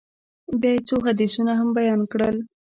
بيا يې څو حديثونه هم بيان کړل.